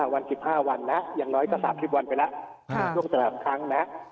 วัน๑๕วันนะอย่างน้อยก็๓๐วันไปแล้วในช่วงแต่ละครั้งนะ